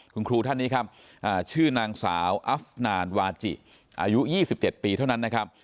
คุณครูท่านนี้ครับชื่อนางสาวอัฟนานวาจิอายุ๒๗ปีเท่านั้นนะครับ